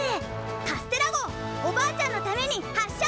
カステラ号おばあちゃんのために発射！